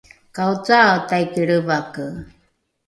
kaocae taiki lrevake